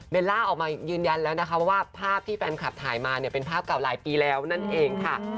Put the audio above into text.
ล่าออกมายืนยันแล้วนะคะว่าภาพที่แฟนคลับถ่ายมาเนี่ยเป็นภาพเก่าหลายปีแล้วนั่นเองค่ะ